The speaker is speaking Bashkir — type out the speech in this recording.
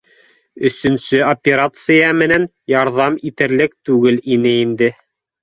Өсөнсө операция менән ярҙам итерлек түгел ине инде